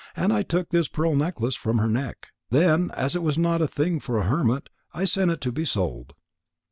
And I took this pearl necklace from her neck. Then, as it was not a thing for a hermit, I sent it to be sold."